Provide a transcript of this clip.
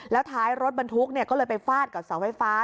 แล้วท้ายรถบรรทุกก็เลยไปฟาดกับเสาไฟฟ้า